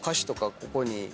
ここにね。